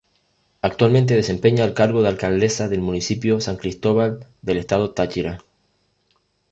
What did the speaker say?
Actualmente desempeña el cargo de Alcaldesa del Municipio San Cristóbal del Estado Táchira.